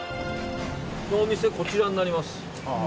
お店、こちらになります。